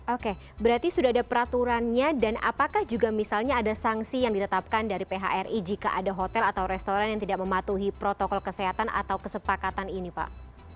oke berarti sudah ada peraturannya dan apakah juga misalnya ada sanksi yang ditetapkan dari phri jika ada hotel atau restoran yang tidak mematuhi protokol kesehatan atau kesepakatan ini pak